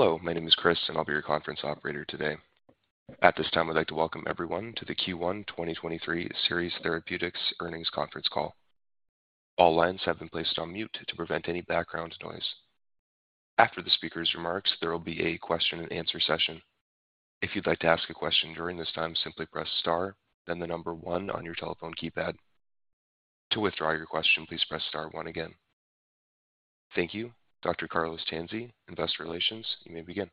Hello, my name is Chris, and I'll be your conference operator today. At this time, I'd like to welcome everyone to the Q1 2023 Seres Therapeutics Earnings Conference Call. All lines have been placed on mute to prevent any background noise. After the speaker's remarks, there will be a question-and-answer session. If you'd like to ask a question during this time, simply press star, then the number one on your telephone keypad. To withdraw your question, please press star one again. Thank you. Dr. Carlo Tanzi, Investor Relations, you may begin.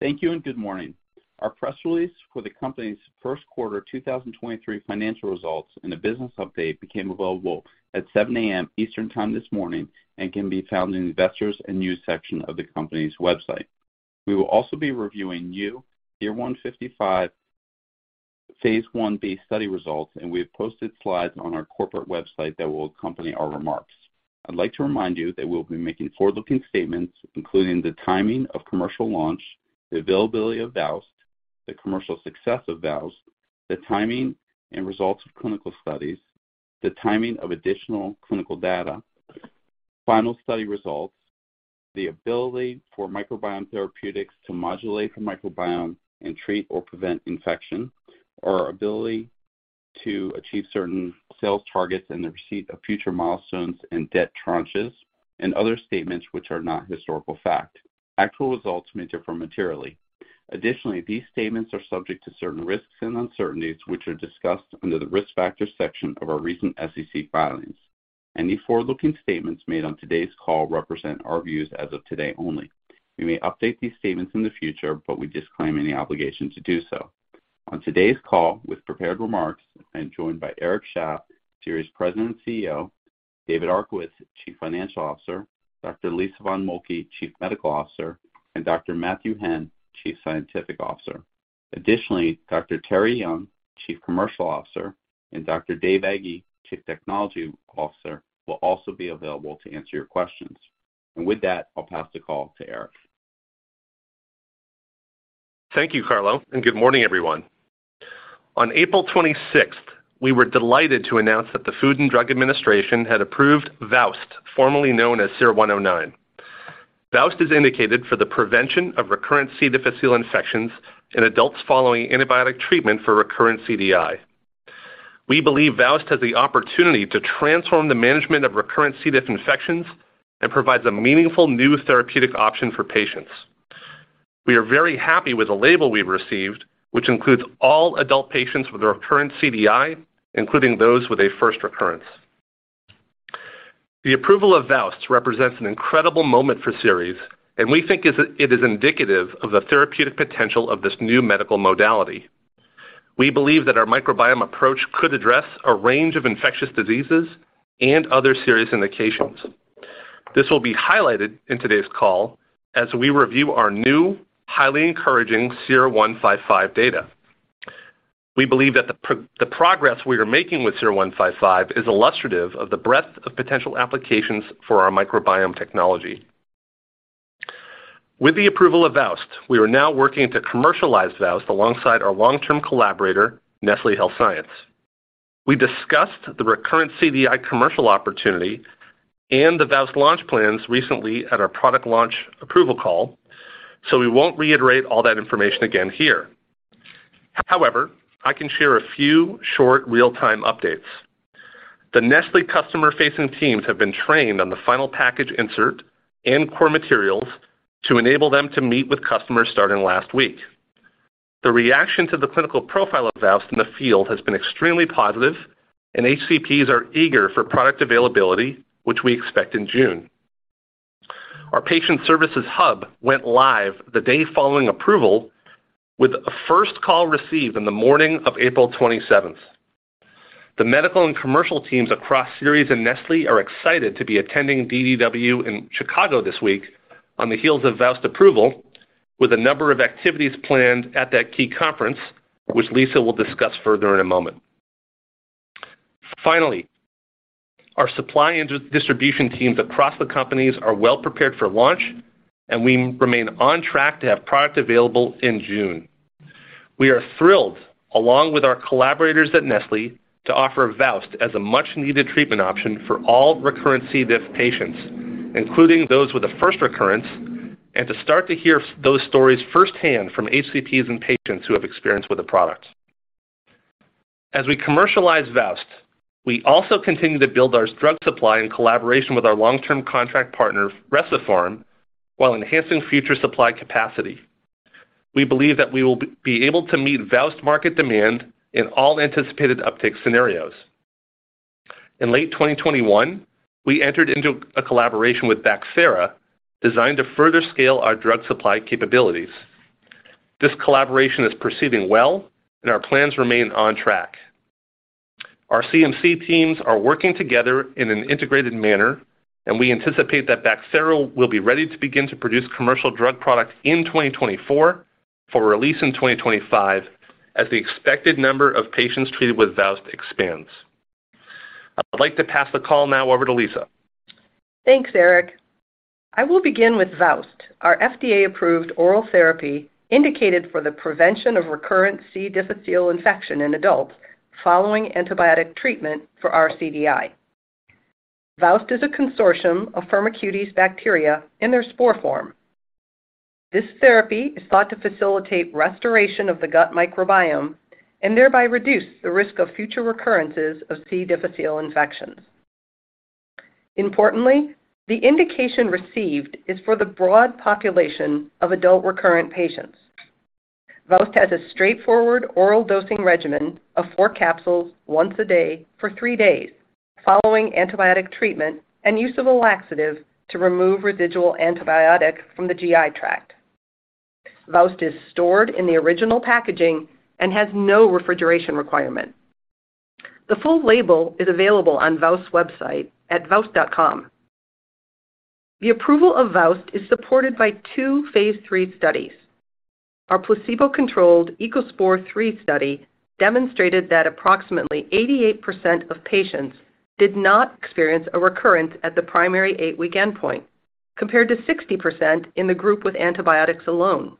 Thank you. Good morning. Our press release for the company's Q1 2023 financial results and a business update became available at 7:00 A.M. Eastern Time this morning and can be found in the Investors and News section of the company's website. We will also be reviewing new SER-155 phase 1b study results, and we have posted slides on our corporate website that will accompany our remarks. I'd like to remind you that we'll be making forward-looking statements, including the timing of commercial launch, the availability of VOWST, the commercial success of VOWST, the timing and results of clinical studies, the timing of additional clinical data, final study results, the ability for microbiome therapeutics to modulate the microbiome and treat or prevent infection, our ability to achieve certain sales targets and the receipt of future milestones and debt tranches, and other statements which are not historical fact. Actual results may differ materially. These statements are subject to certain risks and uncertainties, which are discussed under the Risk Factors section of our recent SEC filings. Any forward-looking statements made on today's call represent our views as of today only. We may update these statements in the future, but we disclaim any obligation to do so. On today's call with prepared remarks, I'm joined by Eric Shaff, Seres President and CEO, David Arkowitz, Chief Financial Officer, Dr. Lisa von Moltke, Chief Medical Officer, and Dr. Matthew Henn, Chief Scientific Officer. Additionally, Dr. Terri Young, Chief Commercial Officer, and Dr. David Ege, Chief Technology Officer, will also be available to answer your questions. With that, I'll pass the call to Eric. Thank you, Carlo. Good morning, everyone. On April 26th, we were delighted to announce that the Food and Drug Administration had approved VOWST, formerly known as SER-109. VOWST is indicated for the prevention of recurrent C. difficile infections in adults following antibiotic treatment for recurrent CDI. We believe VOWST has the opportunity to transform the management of recurrent C. diff infections and provides a meaningful new therapeutic option for patients. We are very happy with the label we received, which includes all adult patients with a recurrent CDI, including those with a first recurrence. The approval of VOWST represents an incredible moment for Seres, and we think it is indicative of the therapeutic potential of this new medical modality. We believe that our microbiome approach could address a range of infectious diseases and other serious indications. This will be highlighted in today's call as we review our new, highly encouraging SER-155 data. We believe that the progress we are making with SER-155 is illustrative of the breadth of potential applications for our microbiome technology. With the approval of VOWST, we are now working to commercialize VOWST alongside our long-term collaborator, Nestlé Health Science. We discussed the recurrent CDI commercial opportunity and the VOWST launch plans recently at our product launch approval call. We won't reiterate all that information again here. However, I can share a few short real-time updates. The Nestlé customer-facing teams have been trained on the final package insert and core materials to enable them to meet with customers starting last week. The reaction to the clinical profile of VOWST in the field has been extremely positive. HCPs are eager for product availability, which we expect in June. Our patient services hub went live the day following approval, with a first call received in the morning of April 27th. The medical and commercial teams across Seres and Nestlé are excited to be attending DDW in Chicago this week on the heels of VOWST approval, with a number of activities planned at that key conference, which Lisa will discuss further in a moment. Our supply and distribution teams across the companies are well prepared for launch. We remain on track to have the product available in June. We are thrilled, along with our collaborators at Nestlé, to offer VOWST as a much-needed treatment option for all recurrent C. diff patients, including those with a first recurrence, and to start to hear those stories firsthand from HCPs and patients who have experience with the product. As we commercialize VOWST, we also continue to build our drug supply in collaboration with our long-term contract partner, Recipharm, while enhancing future supply capacity. We believe that we will be able to meet the VOWST market demand in all anticipated uptake scenarios. In late 2021, we entered into a collaboration with Bacthera designed to further scale our drug supply capabilities. This collaboration is proceeding well, and our plans remain on track. Our CMC teams are working together in an integrated manner, and we anticipate that Bacthera will be ready to begin to produce commercial drug products in 2024 for release in 2025 as the expected number of patients treated with VOWST expands. I'd like to pass the call now over to Lisa. Thanks, Eric. I will begin with VOWST, our FDA-approved oral therapy indicated for the prevention of recurrent C. difficile infection in adults following antibiotic treatment for rCDI. VOWST is a consortium of Firmicutes bacteria in their spore form. This therapy is thought to facilitate restoration of the gut microbiome and thereby reduce the risk of future recurrences of C. difficile infections. The indication received is for the broad population of adult recurrent patients. VOWST has a straightforward oral dosing regimen of four capsules once a day for three days following antibiotic treatment and use of a laxative to remove residual antibiotic from the GI tract. VOWST is stored in the original packaging and has no refrigeration requirement. The full label is available on VOWST's website at vowst.com. The approval of VOWST is supported by two phase III studies. Our placebo-controlled ECOSPOR III study demonstrated that approximately 88% of patients did not experience a recurrence at the primary eight-week endpoint, compared to 60% in the group with antibiotics alone.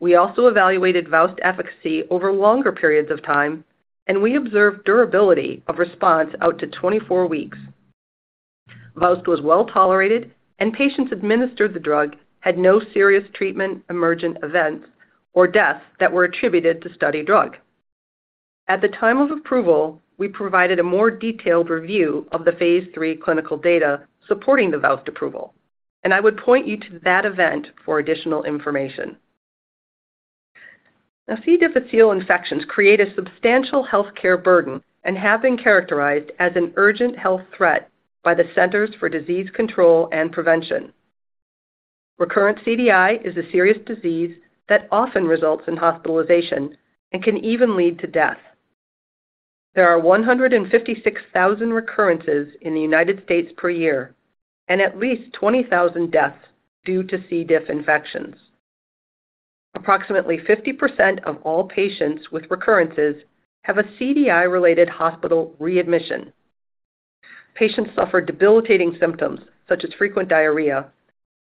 We also evaluated VOWST efficacy over longer periods of time, and we observed durability of response out to 24 weeks. VOWST was well-tolerated, and patients administered the drug had no serious treatment-emergent events or deaths that were attributed to the study drug. At the time of approval, we provided a more detailed review of the phase I clinical data supporting the VOWST approval, and I would point you to that event for additional information. Now, C. difficile infections create a substantial healthcare burden and have been characterized as an urgent health threat by the Centers for Disease Control and Prevention. Recurrent CDI is a serious disease that often results in hospitalization and can even lead to death. There are 156,000 recurrences in the United States per year and at least 20,000 deaths due to C. diff infections. Approximately 50% of all patients with recurrences have a CDI-related hospital readmission. Patients suffer debilitating symptoms, such as frequent diarrhea,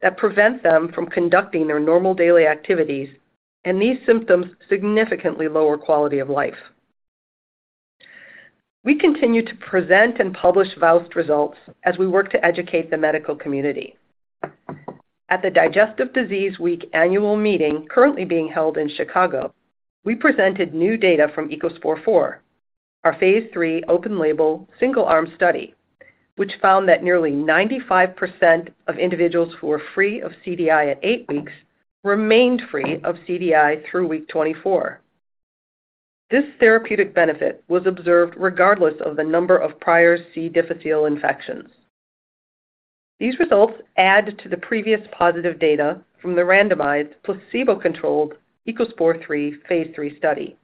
that prevent them from conducting their normal daily activities, and these symptoms significantly lower their quality of life. We continue to present and publish VOWST results as we work to educate the medical community. At the Digestive Disease Week annual meeting currently being held in Chicago, we presented new data from ECOSPOR IV, our phase III open-label single-arm study, which found that nearly 95% of individuals who were free of CDI at 8 weeks remained free of CDI through week 24. This therapeutic benefit was observed regardless of the number of prior C. difficile infections. These results add to the previous positive data from the randomized placebo-controlled ECOSPOR III phase III study.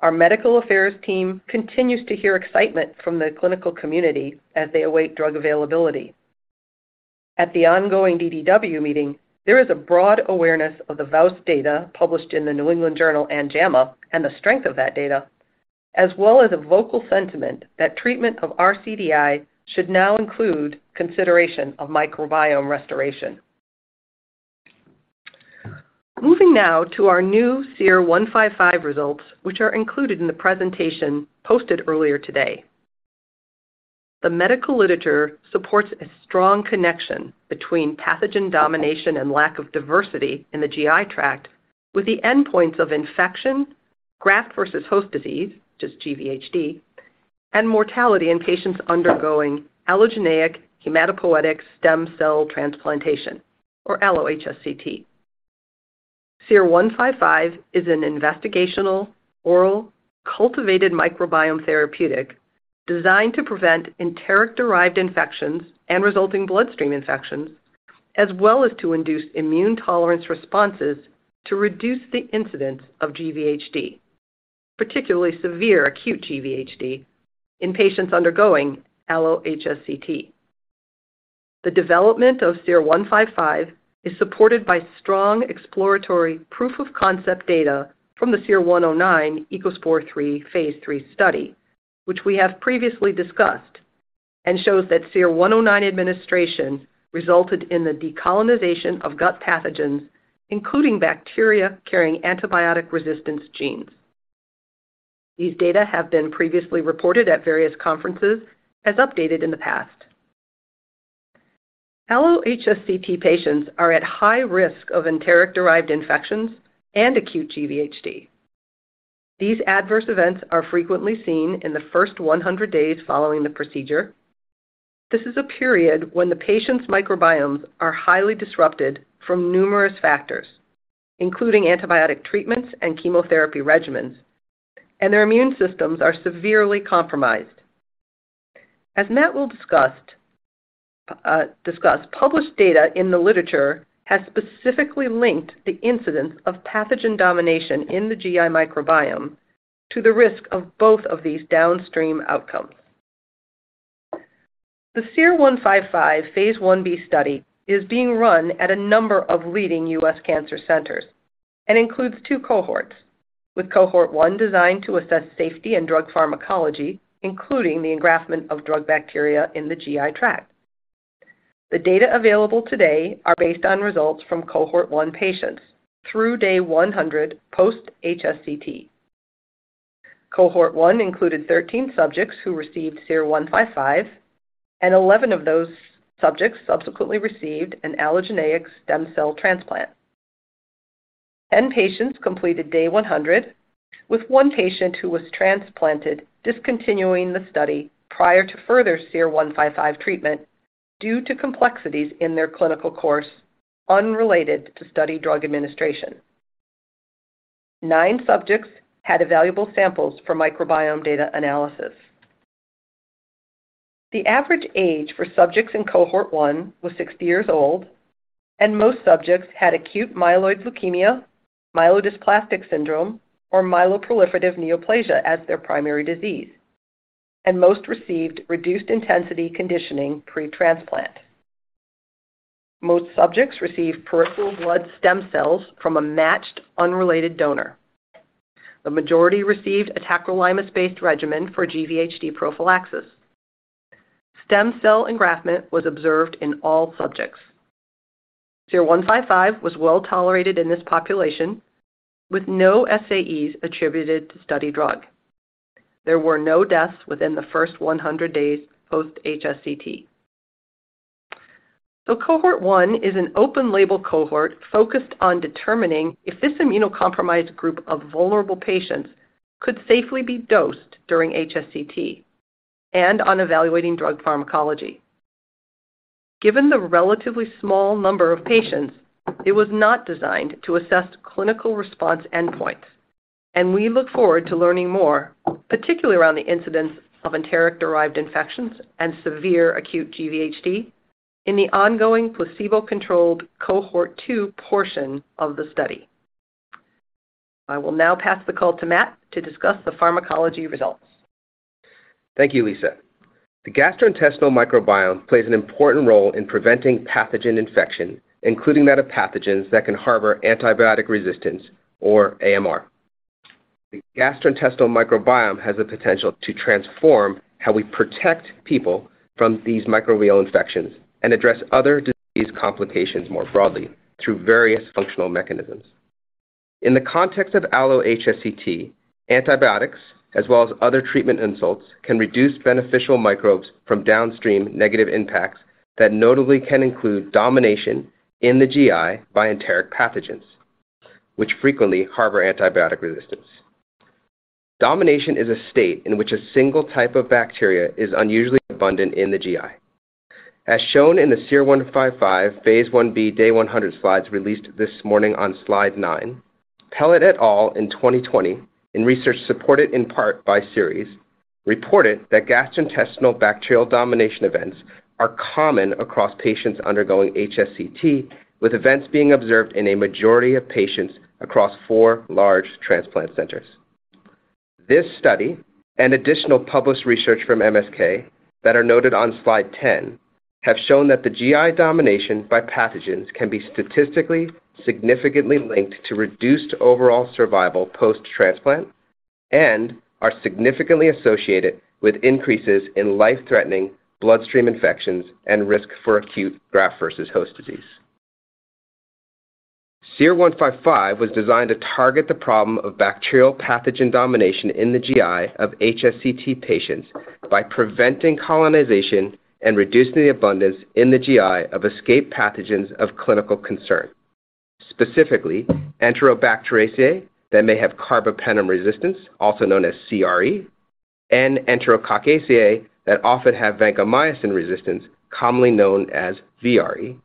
Our medical affairs team continues to hear excitement from the clinical community as they await drug availability. At the ongoing DDW meeting, there is a broad awareness of the VOWST data published in the New England Journal and JAMA and the strength of that data, as well as a vocal sentiment that treatment of rCDI should now include consideration of microbiome restoration. Moving now to our new SER-155 results, which are included in the presentation posted earlier today. The medical literature supports a strong connection between pathogen domination and lack of diversity in the GI tract with the endpoints of infection, graft versus host disease, which is GVHD, and mortality in patients undergoing allogeneic hematopoietic stem cell transplantation, or allo-HSCT. SER-155 is an investigational oral cultivated microbiome therapeutic designed to prevent enteric-derived infections and resulting bloodstream infections, as well as to induce immune tolerance responses to reduce the incidence of GVHD, particularly severe acute GVHD in patients undergoing allo-HSCT. The development of SER-155 is supported by strong exploratory proof of concept data from the SER-109 ECOSPOR III phase III study, which we have previously discussed and shows that SER-109 administration resulted in the decolonization of gut pathogens, including bacteria carrying antibiotic resistance genes. These data have been previously reported at various conferences as updated in the past. allo-HSCT patients are at high risk of enteric-derived infections and acute GVHD. These adverse events are frequently seen in the first 100 days following the procedure. This is a period when the patient's microbiomes are highly disrupted from numerous factors, including antibiotic treatments and chemotherapy regimens, and their immune systems are severely compromised. As Matt will discuss, published data in the literature has specifically linked the incidence of pathogen domination in the GI microbiome to the risk of both of these downstream outcomes. The SER-155 phase 1B study is being run at a number of leading U.S. cancer centers and includes 2 cohorts, with cohort 1 designed to assess safety and drug pharmacology, including the engraftment of drug bacteria in the GI tract. The data available today are based on results from cohort 1 patients through day 100 post-HSCT. Cohort 1 included 13 subjects who received SER-155, and 11 of those subjects subsequently received an allogeneic stem cell transplant. 10 patients completed day 100, with 1 patient who was transplanted discontinuing the study prior to further SER-155 treatment due to complexities in their clinical course unrelated to study drug administration. 9 subjects had evaluable samples for microbiome data analysis. The average age for subjects in cohort 1 was 60 years old, and most subjects had acute myeloid leukemia, myelodysplastic syndrome, or myeloproliferative neoplasm as their primary disease. Most received reduced-intensity conditioning pre-transplant. Most subjects received peripheral blood stem cells from a matched unrelated donor. The majority received a tacrolimus-based regimen for GVHD prophylaxis. Stem cell engraftment was observed in all subjects. SER-155 was well-tolerated in this population, with no SAEs attributed to study drug. There were no deaths within the first 100 days post-HSCT. Cohort 1 is an open label cohort focused on determining if this immunocompromised group of vulnerable patients could safely be dosed during HSCT and on evaluating drug pharmacology. Given the relatively small number of patients, it was not designed to assess clinical response endpoints, and we look forward to learning more, particularly around the incidence of enteric-derived infections and severe acute GVHD in the ongoing placebo-controlled cohort 2 portion of the study. I will now pass the call to Matt to discuss the pharmacology results. Thank you, Lisa. The gastrointestinal microbiome plays an important role in preventing pathogen infection, including metapathogens that can harbor antibiotic resistance or AMR. The gastrointestinal microbiome has the potential to transform how we protect people from these microbial infections and address other disease complications more broadly through various functional mechanisms. In the context of allo-HSCT, antibiotics as well as other treatment insults can reduce beneficial microbes from downstream negative impacts that notably can include domination in the GI by enteric pathogens, which frequently harbor antibiotic resistance. Domination is a state in which a single type of bacteria is unusually abundant in the GI. As shown in the SER-155 phase 1B day 100 slides released this morning on slide 9, Pellet et al. in 2020, in research supported in part by Seres, reported that gastrointestinal bacterial domination events are common across patients undergoing HSCT, with events being observed in a majority of patients across four large transplant centers. This study and additional published research from MSK that are noted on slide 10 have shown that the GI domination by pathogens can be statistically significantly linked to reduced overall survival post-transplant and are significantly associated with increases in life-threatening bloodstream infections and risk for acute graft versus host disease. SER-155 was designed to target the problem of bacterial pathogen domination in the GI of HSCT patients by preventing colonization and reducing the abundance in the GI of escaped pathogens of clinical concern. Specifically, Enterobacteriaceae that may have carbapenem resistance, also known as CRE, and Enterococcaceae that often have vancomycin resistance, commonly known as VRE.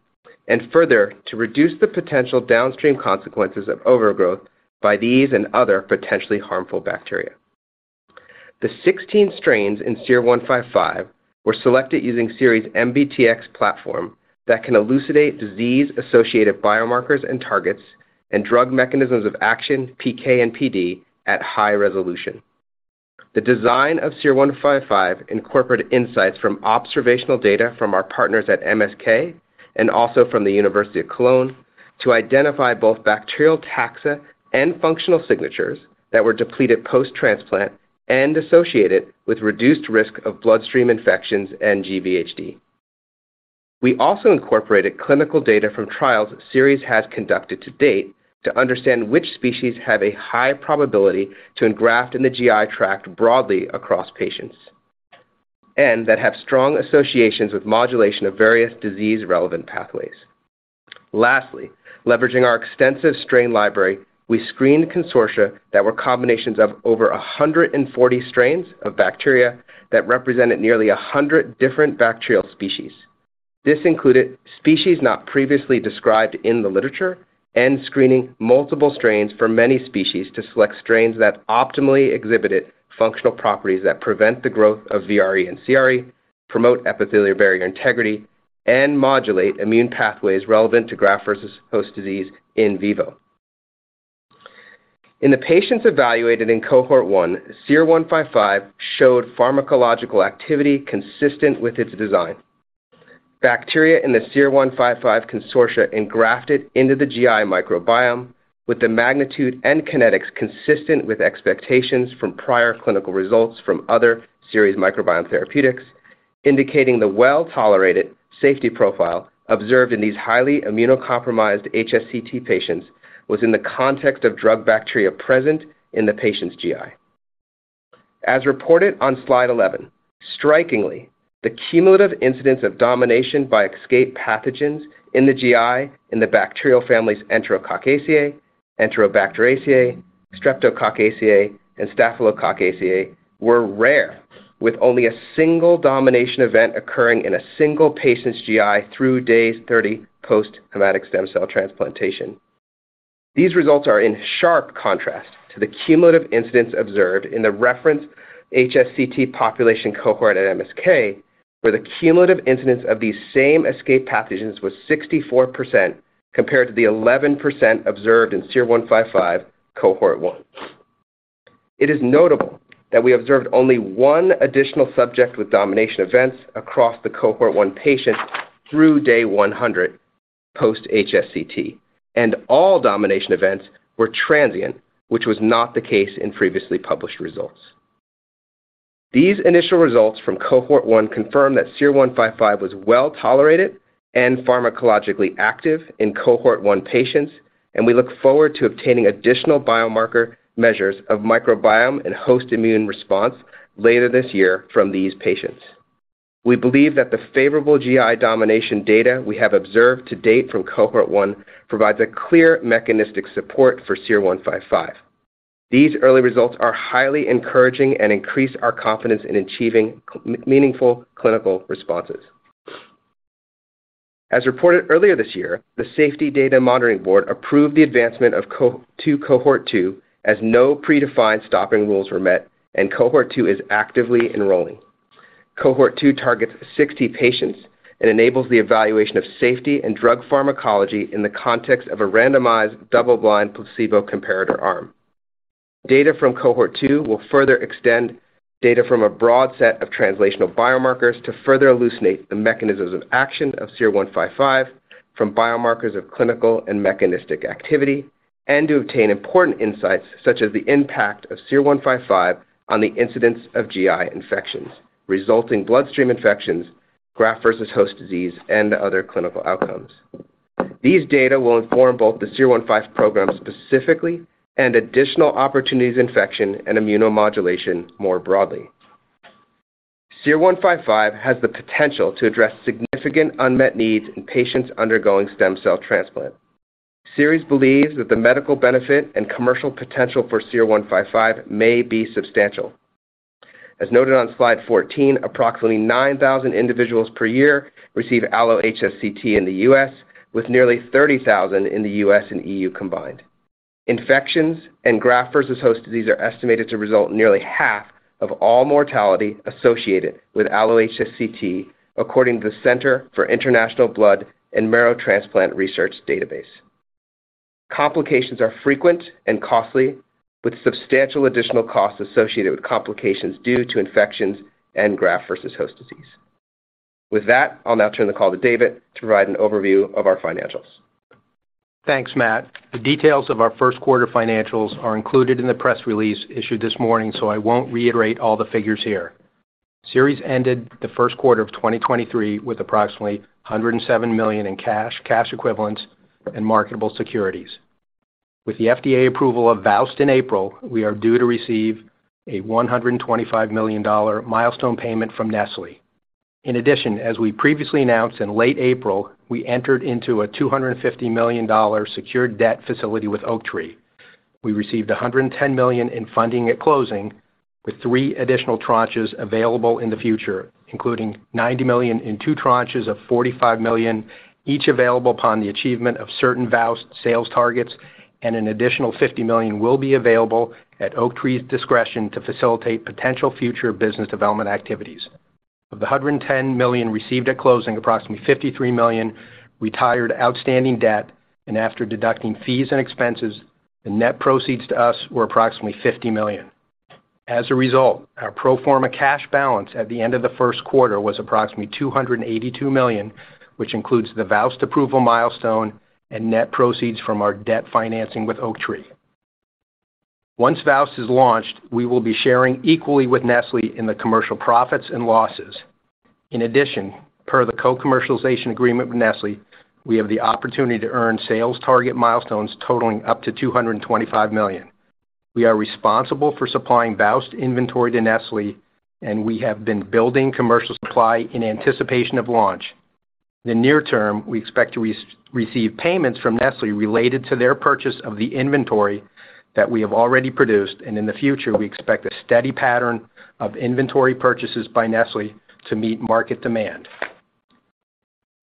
Further, to reduce the potential downstream consequences of overgrowth by these and other potentially harmful bacteria. The 16 strains in SER-155 were selected using Seres' MbTx platform that can elucidate disease-associated biomarkers and targets and drug mechanisms of action, PK, and PD at high resolution. The design of SER-155 incorporated insights from observational data from our partners at MSK and also from the University of Cologne to identify both bacterial taxa and functional signatures that were depleted post-transplant and associated with reduced risk of bloodstream infections and GVHD. We also incorporated clinical data from trials Seres has conducted to date to understand which species have a high probability to engraft in the GI tract broadly across patients and that have strong associations with modulation of various disease-relevant pathways. Lastly, leveraging our extensive strain library, we screened consortia that were combinations of over 140 strains of bacteria that represented nearly 100 different bacterial species. This included species not previously described in the literature and screening multiple strains for many species to select strains that optimally exhibited functional properties that prevent the growth of VRE and CRE, promote epithelial barrier integrity, and modulate immune pathways relevant to graft versus host disease in vivo. In the patients evaluated in cohort 1, SER-155 showed pharmacological activity consistent with its design. Bacteria in the SER-155 consortia engrafted into the GI microbiome. With the magnitude and kinetics consistent with expectations from prior clinical results from other Seres microbiome therapeutics, indicating the well-tolerated safety profile observed in these highly immunocompromised HSCT patients was in the context of drug bacteria present in the patient's GI. As reported on slide 11, strikingly, the cumulative incidence of domination by escape pathogens in the GI in the bacterial families Enterococcaceae, Enterobacteriaceae, Streptococcaceae, and Staphylococcaceae were rare, with only a single domination event occurring in a single patient's GI through days 30 post-hematopoietic stem cell transplantation. These results are in sharp contrast to the cumulative incidence observed in the reference HSCT population cohort at MSK, where the cumulative incidence of these same escape pathogens was 64% compared to the 11% observed in SER-155 Cohort 1. It is notable that we observed only 1 additional subject with domination events across the Cohort 1 patient through day 100 post-HSCT, and all domination events were transient, which was not the case in previously published results. These initial results from Cohort 1 confirm that SER-155 was well-tolerated and pharmacologically active in Cohort 1 patients, and we look forward to obtaining additional biomarker measures of microbiome and host immune response later this year from these patients. We believe that the favorable GI domination data we have observed to date from Cohort 1 provides a clear mechanistic support for SER-155. These early results are highly encouraging and increase our confidence in achieving meaningful clinical responses. As reported earlier this year, the Data and Safety Monitoring Board approved the advancement to Cohort 2 as no predefined stopping rules were met, and Cohort 2 is actively enrolling. Cohort 2 targets 60 patients and enables the evaluation of safety and drug pharmacology in the context of a randomized double-blind placebo comparator arm. Data from Cohort Two will further extend data from a broad set of translational biomarkers to further elucidate the mechanisms of action of SER-155 from biomarkers of clinical and mechanistic activity, and to obtain important insights such as the impact of SER-155 on the incidence of GI infections, resulting bloodstream infections, graft versus host disease, and other clinical outcomes. These data will inform both the SER-15 program specifically and additional opportunities in infection and immunomodulation more broadly. SER-155 has the potential to address significant unmet needs in patients undergoing stem cell transplant. Seres believes that the medical benefit and commercial potential for SER-155 may be substantial. As noted on slide 14, approximately 9,000 individuals per year receive allo-HSCT in the U.S., with nearly 30,000 in the U.S. and EU combined. Infections and graft versus host disease are estimated to result in nearly half of all mortality associated with allo-HSCT, according to the Center for International Blood and Marrow Transplant Research database. Complications are frequent and costly, with substantial additional costs associated with complications due to infections and graft versus host disease. With that, I'll now turn the call to David to provide an overview of our financials. Thanks, Matt. The details of our Q1 financials are included in the press release issued this morning. I won't reiterate all the figures here. Seres ended the Q1 of 2023 with approximately $107 million in cash equivalents, and marketable securities. With the FDA approval of VOWST in April, we are due to receive a $125 million milestone payment from Nestlé. In addition, as we previously announced in late April, we entered into a $250 million secured debt facility with Oaktree. We received $110 million in funding at closing, with three additional tranches available in the future, including $90 million in two tranches of $45 million, each available upon the achievement of certain VOWST sales targets, and an additional $50 million will be available at Oaktree's discretion to facilitate potential future business development activities. Of the $110 million received at closing, approximately $53 million retired outstanding debt, and after deducting fees and expenses, the net proceeds to us were approximately $50 million. As a result, our pro forma cash balance at the end of the Q1 was approximately $282 million, which includes the VOWST approval milestone and net proceeds from our debt financing with Oaktree. Once VOWST is launched, we will be sharing equally with Nestlé in the commercial profits and losses. In addition, per the co-commercialization agreement with Nestlé, we have the opportunity to earn sales target milestones totaling up to $225 million. We are responsible for supplying VOWST inventory to Nestlé, and we have been building commercial supply in anticipation of launch. In the near term, we expect to re-receive payments from Nestlé related to their purchase of the inventory that we have already produced, and in the future, we expect a steady pattern of inventory purchases by Nestlé to meet market demand.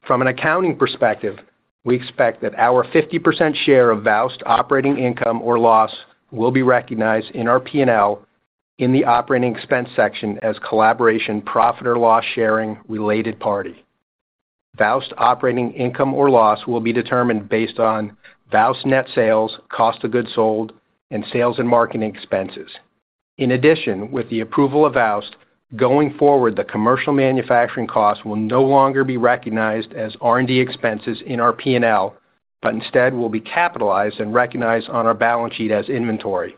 From an accounting perspective, we expect that our 50% share of VOWST operating income or loss will be recognized in our P&L in the operating expense section as collaboration profit or loss sharing related party. VOWST operating income or loss will be determined based on VOWST net sales, cost of goods sold, and sales and marketing expenses. In addition, with the approval of VOWST, going forward, the commercial manufacturing costs will no longer be recognized as R&D expenses in our P&L, but instead will be capitalized and recognized on our balance sheet as inventory.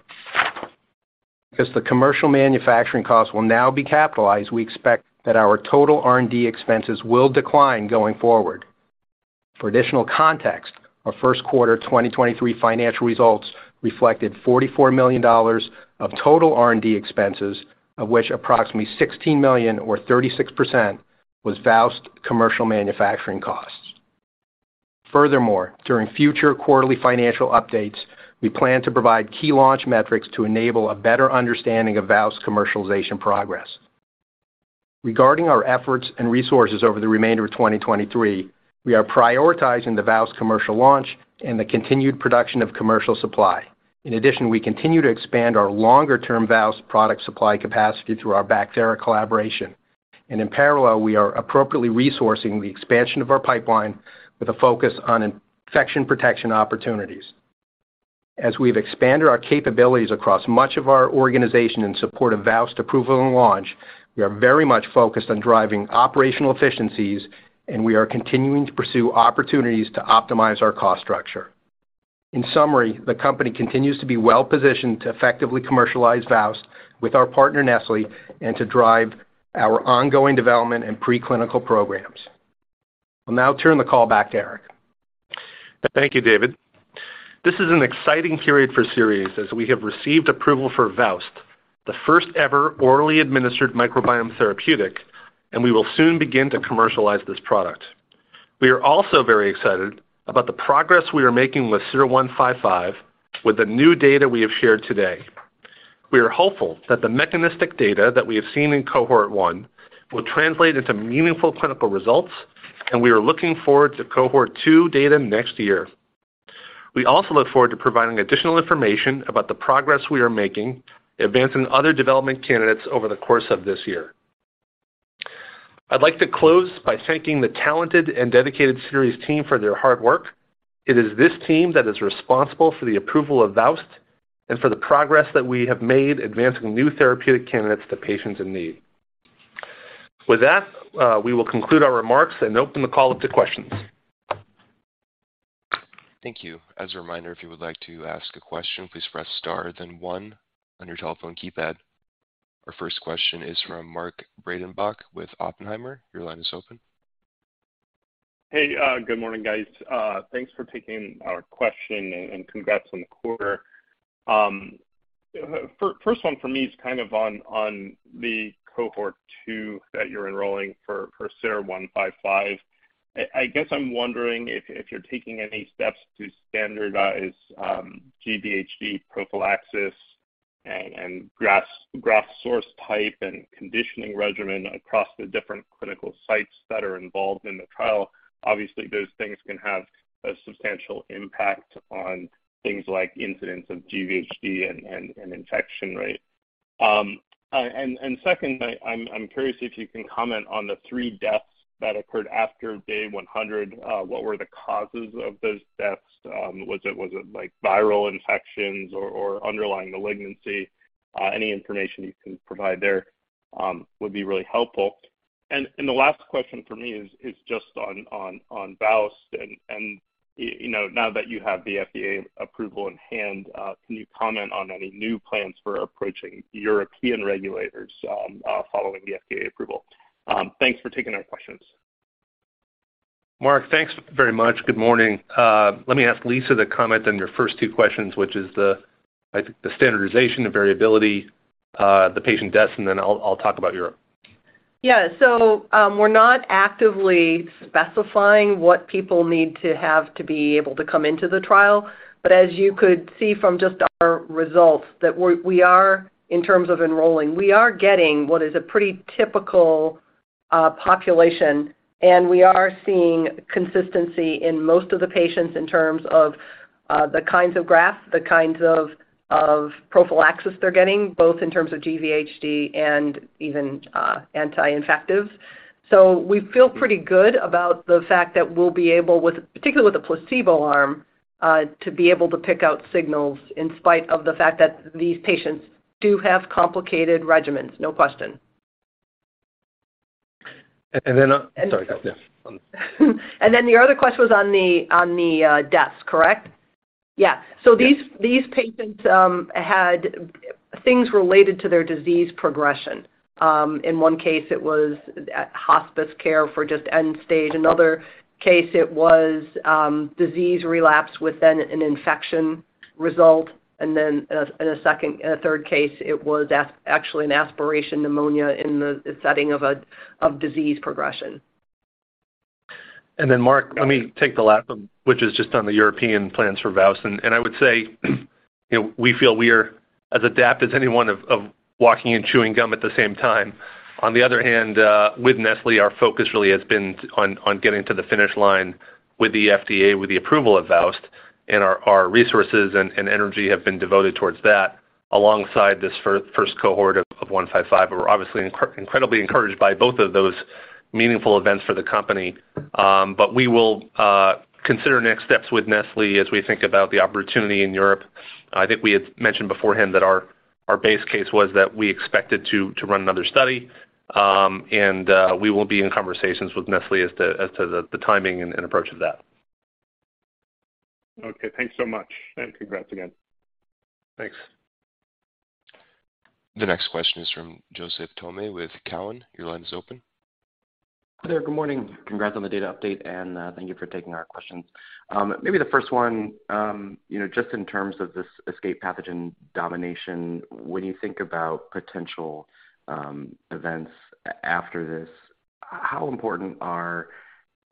Because the commercial manufacturing costs will now be capitalized, we expect that our total R&D expenses will decline going forward. For additional context, our Q1 2023 financial results reflected $44 million of total R&D expenses, of which approximately $16 million or 36% was VOWST commercial manufacturing costs. Furthermore, during futurely financial updates, we plan to provide key launch metrics to enable a better understanding of VOWST commercialization progress. Regarding our efforts and resources over the remainder of 2023, we are prioritizing the VOWST commercial launch and the continued production of commercial supply. We continue to expand our longer-term VOWST product supply capacity through our Bacthera collaboration. In parallel, we are appropriately resourcing the expansion of our pipeline with a focus on infection protection opportunities. As we've expanded our capabilities across much of our organization in support of VOWST approval and launch, we are very much focused on driving operational efficiencies, and we are continuing to pursue opportunities to optimize our cost structure. The company continues to be well-positioned to effectively commercialize VOWST with our partner Nestlé and to drive our ongoing development and preclinical programs. I'll now turn the call back to Eric. Thank you, David. This is an exciting period for Seres as we have received approval for VOWST, the first-ever orally administered microbiome therapeutic, and we will soon begin to commercialize this product. We are also very excited about the progress we are making with SER-155 with the new data we have shared today. We are hopeful that the mechanistic data that we have seen in cohort 1 will translate into meaningful clinical results, and we are looking forward to the cohort 2 data next year. We also look forward to providing additional information about the progress we are making advancing other development candidates over the course of this year. I'd like to close by thanking the talented and dedicated Seres team for their hard work. It is this team that is responsible for the approval of VOWST and for the progress that we have made advancing new therapeutic candidates to patients in need. With that, we will conclude our remarks and open the call up to questions. Thank you. As a reminder, if you would like to ask a question, please press star then one on your telephone keypad. Our first question is from Mark Breidenbach with Oppenheimer. Your line is open. Hey, good morning, guys. Thanks for taking our question and congrats on the quarter. First one for me is kind of on the cohort 2 that you're enrolling for SER-155. I guess I'm wondering if you're taking any steps to standardize GVHD prophylaxis and graft source type and conditioning regimen across the different clinical sites that are involved in the trial. Obviously, those things can have a substantial impact on things like incidence of GVHD and infection rate. Second, I'm curious if you can comment on the 3 deaths that occurred after day 100. What were the causes of those deaths? Was it like viral infections or underlying malignancy? Any information you can provide there would be really helpful. The last question for me is just on VOWST and you know, now that you have the FDA approval in hand, can you comment on any new plans for approaching European regulators following the FDA approval? Thanks for taking our questions. Mark, thanks very much. Good morning. Let me ask Lisa to comment on your first two questions, which is the, I think, the standardization, the variability, the patient deaths, and then I'll talk about Europe. Yeah. We're not actively specifying what people need to have to be able to come into the trial. As you could see from just our results that we are, in terms of enrolling, we are getting what is a pretty typical population, and we are seeing consistency in most of the patients in terms of the kinds of grafts, the kinds of prophylaxis they're getting, both in terms of GVHD and even anti-infective. We feel pretty good about the fact that we'll be able with, particularly with the placebo arm, to be able to pick out signals in spite of the fact that these patients do have complicated regimens, no question. Sorry. Go ahead. The other question was on the, on the deaths, correct? Yeah. Yeah. These patients had things related to their disease progression. In one case, it was at hospice care for just the end stage. Another case, it was a disease relapse with then an infection as a result. In a third case, it was actually an aspiration pneumonia in the setting of a, of disease progression. Mark, let me take the last one, which is just on the European plans for VOWST. I would say, you know, we feel we are as adapt as anyone of walking and chewing gum at the same time. On the other hand, with Nestlé, our focus really has been on getting to the finish line with the FDA, with the approval of VOWST, and our resources and energy have been devoted towards that alongside this first cohort of 155. We're obviously incredibly encouraged by both of those meaningful events for the company. We will consider next steps with Nestlé as we think about the opportunity in Europe. I think we had mentioned beforehand that Our base case was that we expected to run another study, and we will be in conversations with Nestlé as to the timing and approach of that. Okay. Thanks so much, and congrats again. Thanks. The next question is from Joseph Thome with Cowen. Your line is open. Hi there. Good morning. Congrats on the data update, thank you for taking our questions. Maybe the first one, you know, just in terms of this escape pathogen domination, when you think about potential events after this, how important are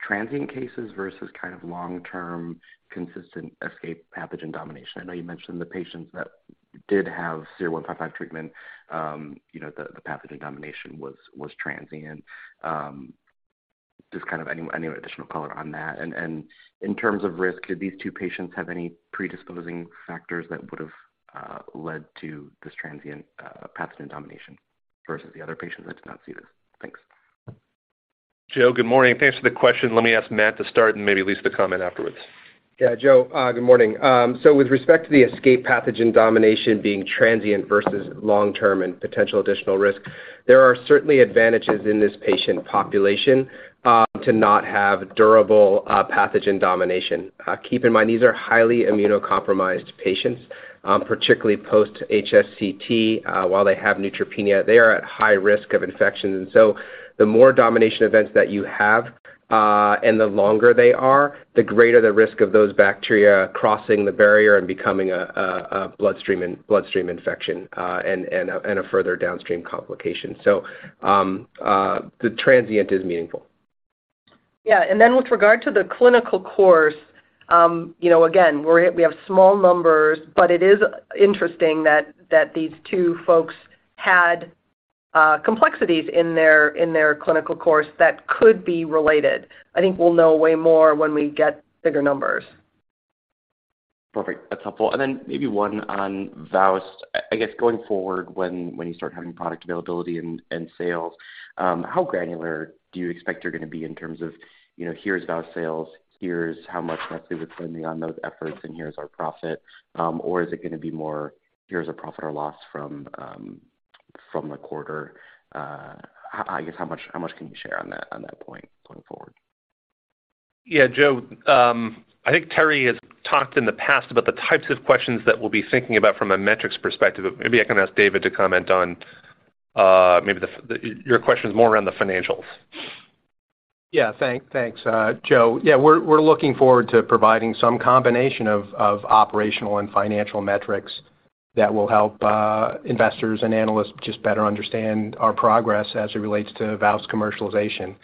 transient cases versus kind of long-term consistent escape pathogen domination? I know you mentioned the patients that did have SER-155 treatment, you know, the pathogen domination was transient. Just kind of any additional color on that. In terms of risk, did these two patients have any predisposing factors that would've led to this transient pathogen domination versus the other patients that did not see this? Thanks. Joe, good morning. Thanks for the question. Let me ask Matt to start and maybe Lisa to comment afterwards. Joe, good morning. With respect to the escape pathogen domination being transient versus long-term and potential additional risk, there are certainly advantages in this patient population to not have durable pathogen domination. Keep in mind, these are highly immunocompromised patients, particularly post-HSCT. While they have neutropenia, they are at high risk of infections. The more domination events that you have, and the longer they are, the greater the risk of those bacteria crossing the barrier and becoming a bloodstream infection and a further downstream complication. The transient is meaningful. Yeah. with regard to the clinical course, you know, again, we have small numbers, but it is interesting that these two folks had complexities in their clinical course that could be related. I think we'll know way more when we get bigger numbers. Perfect. That's helpful. Then maybe one on VOWST. I guess going forward when you start having product availability and sales, how granular do you expect you're gonna be in terms of, you know, here's VOWST sales, here's how much Nestlé would spend on those efforts, and here's our profit? Or is it gonna be more, here's a profit or loss from the quarter? I guess how much can you share on that, on that point going forward? Yeah. Joe, I think Terri has talked in the past about the types of questions that we'll be thinking about from a metrics perspective. Maybe I can ask David to comment on. Your question is more around the financials. Yeah. Thanks, Joe. Yeah. We're looking forward to providing some combination of operational and financial metrics that will help investors and analysts just better understand our progress as it relates to VOWST commercialization.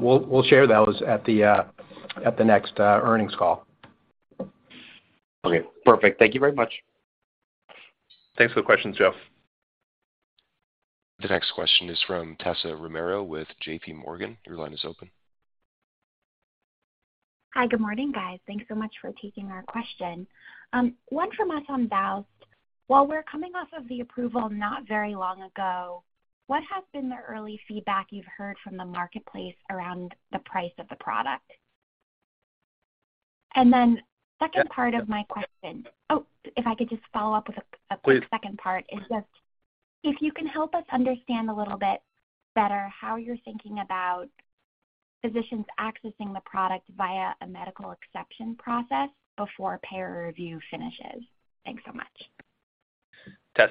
We'll share those at the next earnings call. Okay. Perfect. Thank you very much. Thanks for the questions, Joe. The next question is from Tessa Romero with J.P. Morgan. Your line is open. Hi. Good morning, guys. Thanks so much for taking our question. One from us on VOWST. While we're coming off of the approval not very long ago, what has been the early feedback you've heard from the marketplace around the price of the product? Second part of my question. Oh, if I could just follow up with a quick second part. Please. Is just if you can help us understand a little bit better how you're thinking about physicians accessing the product via a medical exception process before payer review finishes. Thanks so much.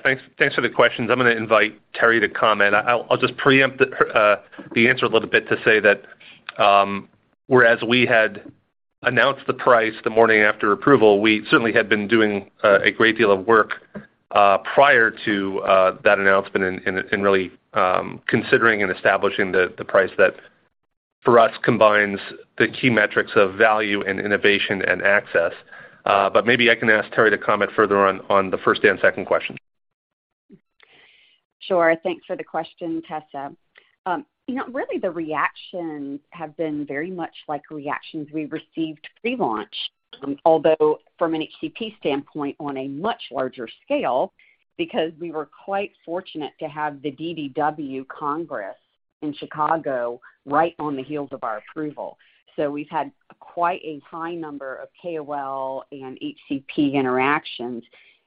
Tess, thanks for the questions. I'm gonna invite Terri to comment. I'll just preempt the answer a little bit to say that whereas we had announced the price the morning after approval, we certainly had been doing a great deal of work prior to that announcement and really considering and establishing the price that for us combines the key metrics of value and innovation and access. Maybe I can ask Terri to comment further on the first and second questions. Sure. Thanks for the question, Tessa. You know, really the reactions have been very much like reactions we received pre-launch, although from an HCP standpoint, on a much larger scale, because we were quite fortunate to have the DDW Congress in Chicago right on the heels of our approval. We've had quite a high number of KOL and HCP interactions,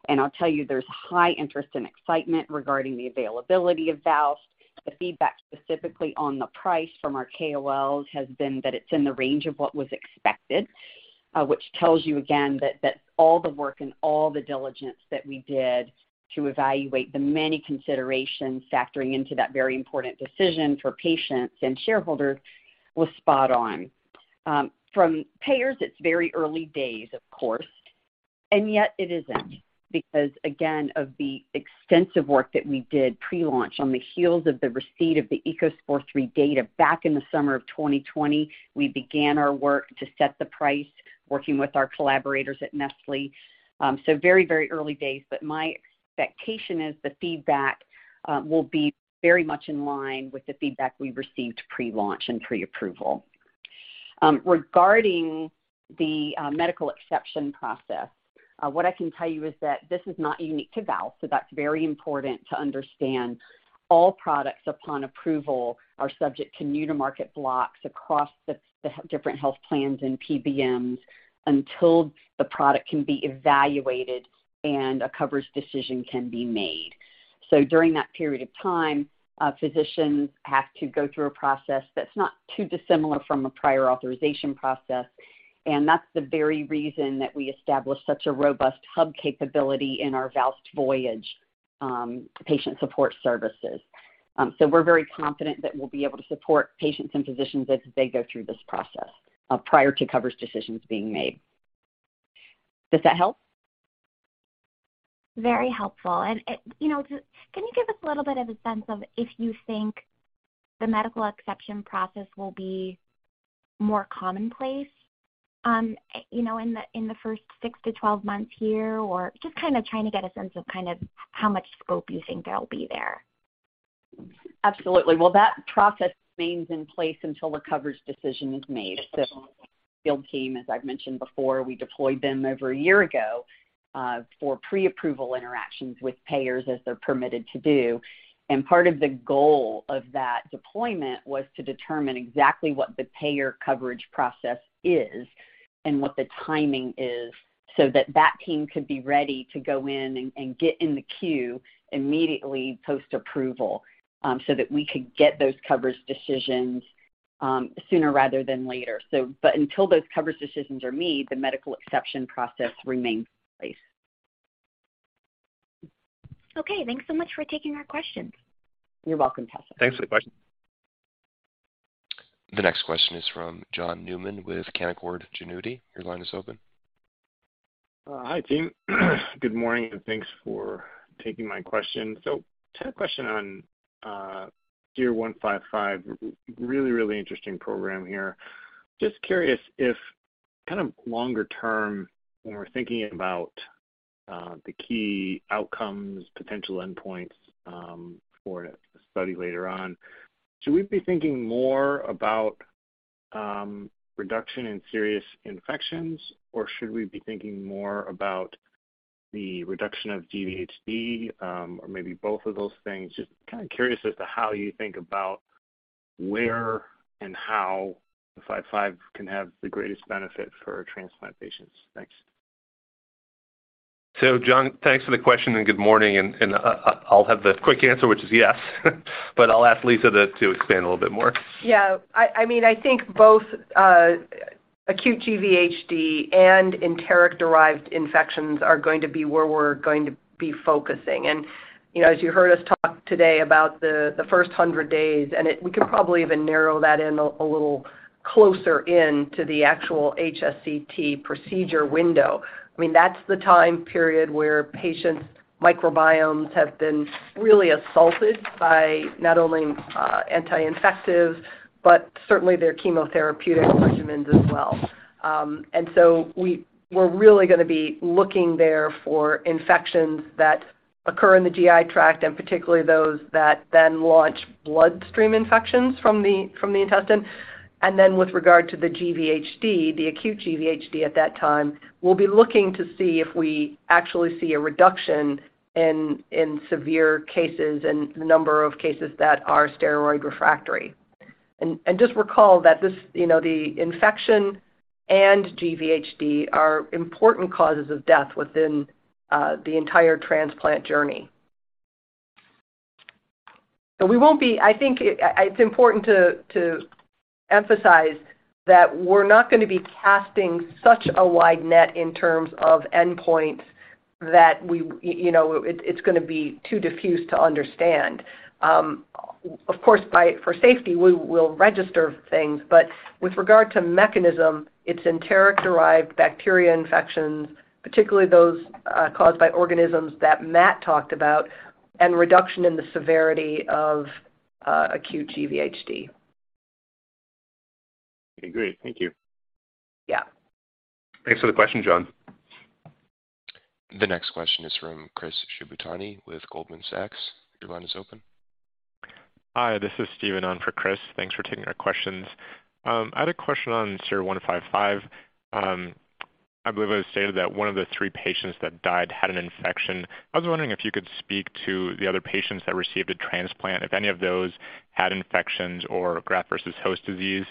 and I'll tell you there's high interest and excitement regarding the availability of VOWST. The feedback specifically on the price from our KOLs has been that it's in the range of what was expected, which tells you again that all the work and all the diligence that we did to evaluate the many considerations factoring into that very important decision for patients and shareholders was spot on. From payers, it's very early days, of course, and yet it isn't because again, of the extensive work that we did pre-launch on the heels of the receipt of the ECOSPOR III data back in the summer of 2020, we began our work to set the price working with our collaborators at Nestlé. Very, very early days, but my expectation is the feedback will be very much in line with the feedback we received pre-launch and pre-approval. Regarding the medical exception process, what I can tell you is that this is not unique to VOWST. That's very important to understand. All products upon approval are subject to new-to-market blocks across the different health plans and PBMs until the product can be evaluated and a coverage decision can be made. During that period of time, physicians have to go through a process that's not too dissimilar from a prior authorization process, and that's the very reason that we established such a robust hub capability in our VOWST Voyage patient support services. We're very confident that we'll be able to support patients and physicians as they go through this process prior to coverage decisions being made. Does that help? Very helpful. you know, Can you give us a little bit of a sense of if you think the medical exception process will be more commonplace, in the first 6 to 12 months here, or just kind of trying to get a sense of kind of how much scope you think there'll be there? Absolutely. Well, that process remains in place until the coverage decision is made. Field team, as I've mentioned before, we deployed them over a year ago, for pre-approval interactions with payers as they're permitted to do. Part of the goal of that deployment was to determine exactly what the payer coverage process is and what the timing is so that that team could be ready to go in and get in the queue immediately post-approval, so that we could get those coverage decisions, sooner rather than later. Until those coverage decisions are made, the medical exception process remains in place. Okay. Thanks so much for taking our questions. You're welcome, Tessa. Thanks for the question. The next question is from John Newman with Canaccord Genuity. Your line is open. Hi, team. Good morning, and thanks for taking my question. I had a question on SER-155. Really, really interesting program here. Just curious if kind of longer term when we're thinking about the key outcomes, potential endpoints for the study later on, should we be thinking more about reduction in serious infections, or should we be thinking more about the reduction of GVHD, or maybe both of those things? Just kind of curious as to how you think about where and how SER-155 can have the greatest benefit for transplant patients. Thanks. John, thanks for the question, and good morning. And I'll have the quick answer, which is yes. I'll ask Lisa to expand a little bit more. Yeah. I mean, I think both acute GVHD and enteric-derived infections are going to be where we're going to be focusing. You know, as you heard us talk today about the first 100 days, we could probably even narrow that in a little closer in to the actual HSCT procedure window. I mean, that's the time period where patients' microbiomes have been really assaulted by not only anti-infectives, but certainly their chemotherapeutic regimens as well. We're really gonna be looking there for infections that occur in the GI tract, and particularly those that then launch bloodstream infections from the intestine. With regard to the GVHD, the acute GVHD at that time, we'll be looking to see if we actually see a reduction in severe cases and the number of cases that are steroid refractory. Just recall that this, you know, the infection and GVHD are important causes of death within the entire transplant journey. We won't be. I think it's important to emphasize that we're not gonna be casting such a wide net in terms of endpoints that we, you know, it's gonna be too diffuse to understand. Of course, for safety, we will register things, but with regard to mechanism, it's enteric-derived bacteria infections, particularly those caused by organisms that Matt talked about and a reduction in the severity of acute GVHD. Okay, great. Thank you. Yeah. Thanks for the question, John. The next question is from Chris Shibutani with Goldman Sachs. Your line is open. Hi, this is Steven on for Chris. Thanks for taking our questions. I had a question on SER-155. I believe it was stated that one of the three patients who died had an infection. I was wondering if you could speak to the other patients who received a transplant, if any of those had infections or graft versus host disease,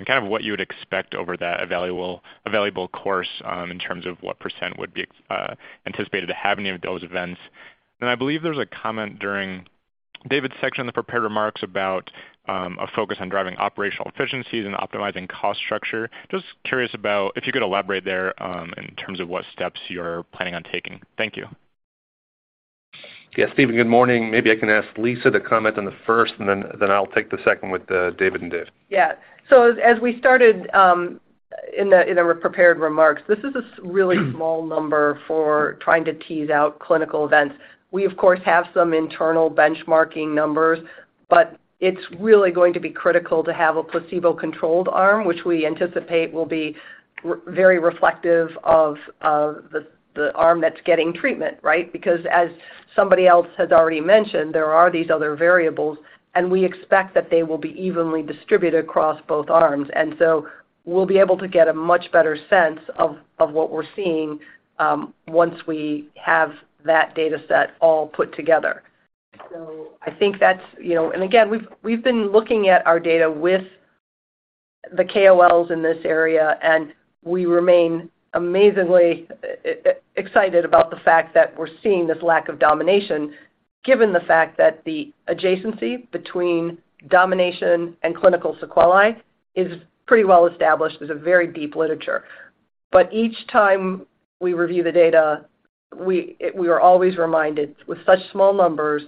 and kind of what you would expect over that available course, in terms of what % would be anticipated to have any of those events. I believe there was a comment during David's section in the prepared remarks about a focus on driving operational efficiencies and optimizing cost structure. Just curious about if you could elaborate there, in terms of what steps you're planning on taking. Thank you. Yeah. Steven, good morning. Maybe I can ask Lisa to comment on the first, and then I'll take the second with David and Dave. Yeah. As we started, in our prepared remarks, this is a really small number for trying to tease out clinical events. We of course have some internal benchmarking numbers, but it's really going to be critical to have a placebo-controlled arm, which we anticipate will be very reflective of the arm that's getting treatment, right? As somebody else has already mentioned, there are these other variables. We expect that they will be evenly distributed across both arms. We'll be able to get a much better sense of what we're seeing once we have that data set all put together. I think that's, you know. Again, we've been looking at our data with the KOLs in this area, and we remain amazingly excited about the fact that we're seeing this lack of domination given the fact that the adjacency between domination and clinical sequelae is pretty well established. There's a very deep literature. Each time we review the data, we are always reminded with such small numbers,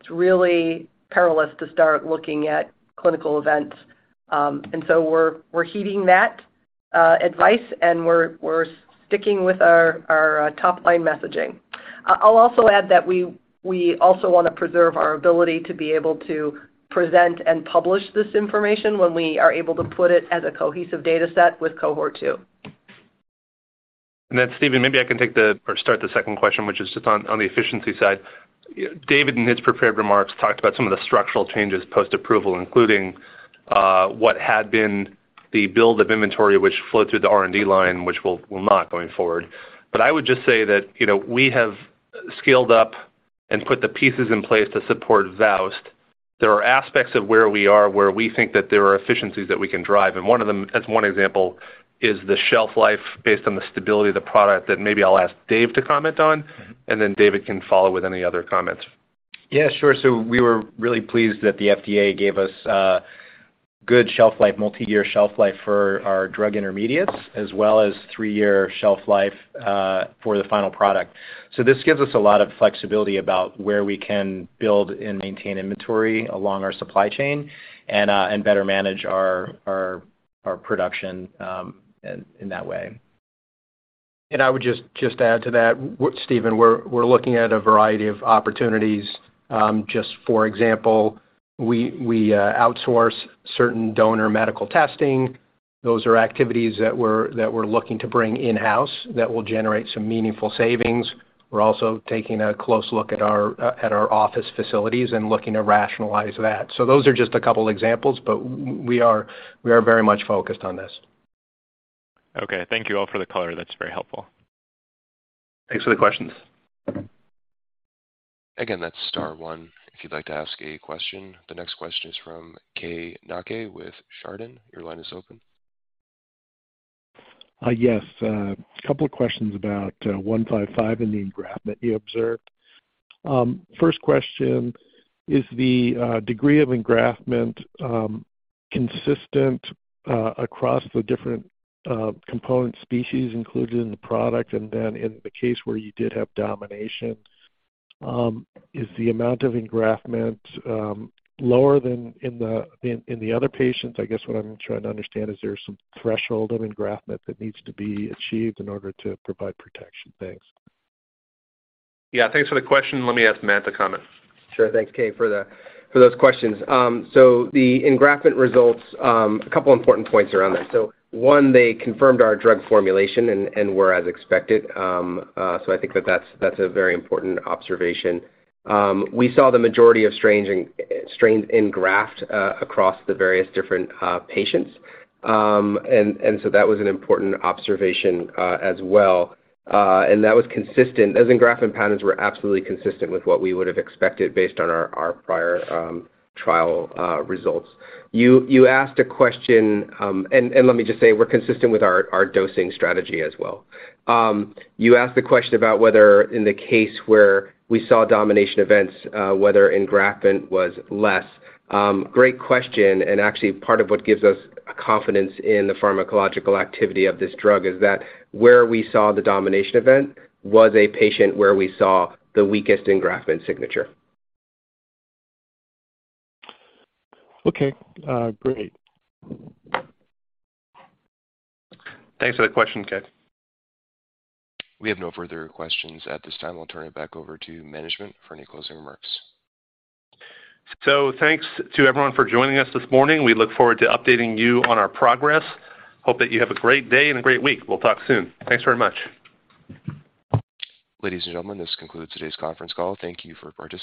it's really perilous to start looking at clinical events. So we're heeding that advice, and we're sticking with our top line messaging. I'll also add that we also wanna preserve our ability to be able to present and publish this information when we are able to put it as a cohesive data set with cohort 2. Steven, maybe I can take the or start the second question, which is just on the efficiency side. David, in his prepared remarks, talked about some of the structural changes post-approval, including, what had been the build of inventory which flowed through the R&D line, which will not go forward. I would just say that, you know, we have scaled up and put the pieces in place to support VOWST. There are aspects of where we are where we think that there are efficiencies that we can drive, and one of them, as one example, is the shelf life based on the stability of the product that maybe I'll ask Dave to comment on, and then David can follow with any other comments. Yeah, sure. We were really pleased that the FDA gave us a good shelf life, multi-year shelf life for our drug intermediates as well as a 3-year shelf life for the final product. This gives us a lot of flexibility about where we can build and maintain inventory along our supply chain and better manage our, our production in that way. I would just add to that. Steven, we're looking at a variety of opportunities, just for example, we outsource certain donor medical testing. Those are activities that we're looking to bring in-house that will generate some meaningful savings. We're also taking a close look at our office facilities and looking to rationalize that. Those are just a couple examples, but we are very much focused on this. Okay. Thank you all for the color. That's very helpful. Thanks for the questions. Again, that's star one if you'd like to ask a question. The next question is from Keay Nakae with Chardan. Your line is open. Yes. A couple of questions about 155 and the engraftment you observed. First question, is the degree of engraftment consistent across the different component species included in the product? Then in the case where you did have domination, is the amount of engraftment lower than in the other patients? I guess what I'm trying to understand is there some threshold of engraftment that needs to be achieved in order to provide protection. Thanks. Yeah. Thanks for the question. Let me ask Matt to comment. Sure. Thanks, Keay, for the, for those questions. The engraftment results, a couple important points around that. One, they confirmed our drug formulation and were as expected. I think that that's a very important observation. We saw the majority of strains engraft across the various different patients. That was an important observation as well. That was consistent. Those engraftment patterns were absolutely consistent with what we would have expected based on our prior trial results. You asked a question. Let me just say we're consistent with our dosing strategy as well. You asked the question about whether in the case where we saw domination events, whether engraftment was less. Great question, actually part of what gives us confidence in the pharmacological activity of this drug is that where we saw the domination event was a patient where we saw the weakest engraftment signature. Okay. Great. Thanks for the question, Kay. We have no further questions at this time. I'll turn it back over to management for any closing remarks. Thanks to everyone for joining us this morning. We look forward to updating you on our progress. Hope that you have a great day and a great week. We'll talk soon. Thanks very much. Ladies and gentlemen, this concludes today's Conference Call. Thank you for participating.